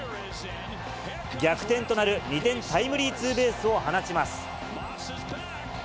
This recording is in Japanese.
逆転となる２点タイムリーツーベースを放ちます。